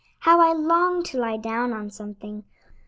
How I longed to lie down on something!